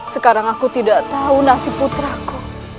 sekarang aku tidak tahu nasib putraku